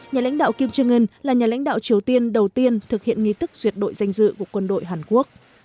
nhà lãnh đạo kim trương ngân là nhà lãnh đạo triều tiên đầu tiên thực hiện nghi thức duyệt đội danh dự của quân đội hàn quốc